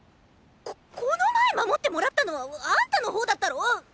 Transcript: ここの前守ってもらったのはアンタの方だったろ！